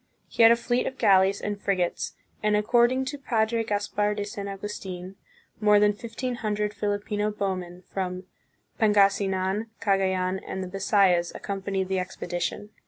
He had a fleet of galleys and frigates, and, according to Padre Caspar de San Augustin, more than fifteen hundred Filipino bowmen from Pangasi nan, Cagayan, and the Bisayas accompanied the expedition.